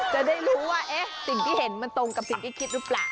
จะได้รู้ว่าสิ่งที่เห็นมันตรงกับสิ่งที่คิดหรือเปล่า